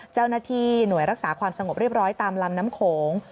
เจ้าหน้าที่หน่วยรักษาความสงบเรียบร้อยตามลำน้ำโขง